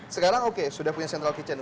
sekarang oke sudah punya central kitchen